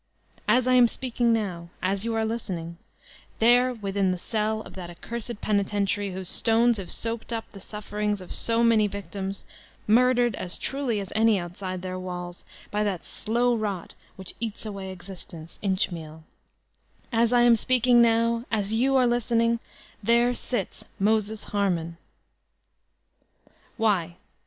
As I am speaking now, as you are listen ing, there within the cell of that accursed penitentiary whose stones have soaked up the sufferings of so many vkdmSy murdered, as truly as any outside their walls, by that slow rot which eats away existence inch meal» — ^as I am speaking now, as you are listening, there sits Moses HamumI* Why?